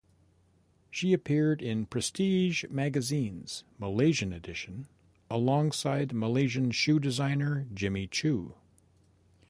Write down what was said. She appeared in "Prestige Magazines" Malaysian edition alongside Malaysian shoe designer, Jimmy Choo.